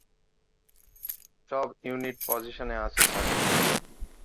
সব ইউনিট পজিশনে আছে, স্যার।